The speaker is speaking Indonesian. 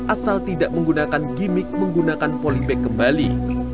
asal tidak menggunakan gimmick menggunakan polybag kembali